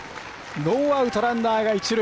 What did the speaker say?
ノーアウト、ランナーが一塁。